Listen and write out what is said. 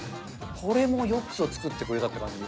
これもよくぞ作ってくれたって感じ。